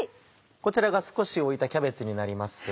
こちらが少しおいたキャベツになります。